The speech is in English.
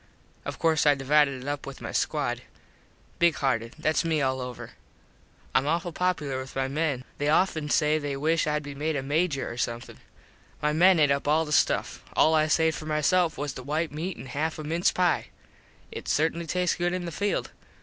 Of course I divided it up with my squad. Big hearted. Thats me all over. Im awful popular with my men. They offen say they wish Id be made a Major or somethin. My men ate up all the stuff. All I saved for my self was the white meat an half a mince pie. It certainly tastes good in the field.